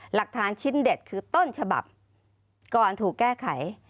หลักฐานชิ้นเด็ดคือต้นฉบับก่อนถูกแก้ไข